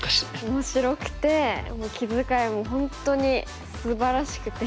面白くて気遣いも本当にすばらしくて。